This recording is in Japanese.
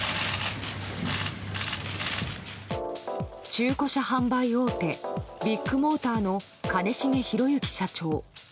中古車販売大手ビッグモーターの兼重宏行社長。